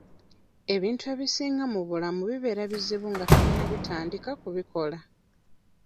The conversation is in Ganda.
Ebintu ebisinga mu bulamu bibeera bizibu nga tonnabitandika kubikola.